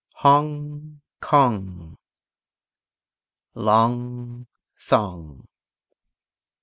Hong kong. Long thong.